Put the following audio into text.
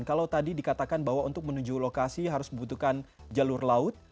kalau tadi dikatakan bahwa untuk menuju lokasi harus membutuhkan jalur laut